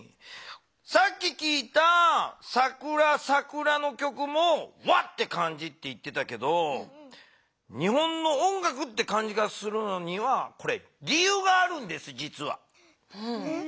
さっききいた「さくらさくら」の曲も和って感じって言ってたけど日本の音楽という感じがするのには理ゆうがあるんですじつは。